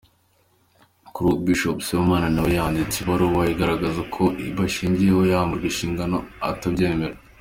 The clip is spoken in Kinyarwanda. Kuri ubu Bishop Sibomana na we yanditse ibaruwa igaragaza ko ibyashingiweho yamburwa inshingano atabyemera.